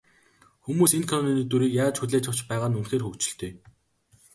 Хүмүүс энэ киноны дүрийг яаж хүлээж авч байгаа нь үнэхээр хөгжилтэй.